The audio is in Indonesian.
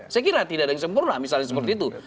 saya kira tidak ada yang sempurna misalnya seperti itu